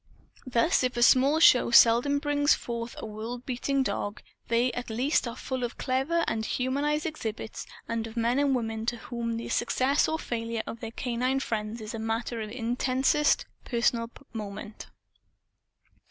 Thus, if small shows seldom bring forth a world beating dog, they at least are full of clever and humanized exhibits and of men and women to whom the success or failure of their canine friends is a matter of intensest personal moment.